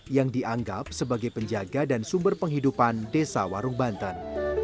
yang dianggap sebagai penjaga dan sumber penghidupan desa warung banten